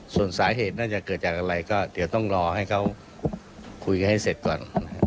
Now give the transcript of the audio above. ส่วนสาเหตุน่าจะเกิดจากอะไรก็เดี๋ยวต้องรอให้เขาคุยกันให้เสร็จก่อน